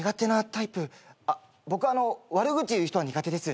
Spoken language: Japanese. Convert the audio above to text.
僕悪口言う人は苦手です。